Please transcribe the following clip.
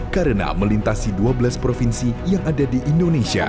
karena melintasi dua belas provinsi yang ada di indonesia